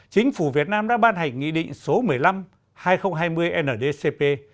chính phủ việt nam đã ban hành nghị định số một mươi năm hai nghìn hai mươi ndcp